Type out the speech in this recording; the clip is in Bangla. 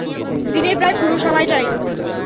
দিনের প্রায় পুরো সময়টাই।